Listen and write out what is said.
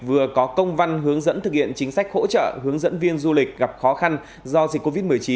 vừa có công văn hướng dẫn thực hiện chính sách hỗ trợ hướng dẫn viên du lịch gặp khó khăn do dịch covid một mươi chín